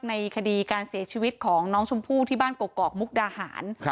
ในคดีการเสียชีวิตของน้องชมพู่ที่บ้านกกอกมุกดาหาร